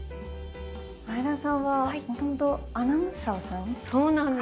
前田さんはもともとアナウンサーさん。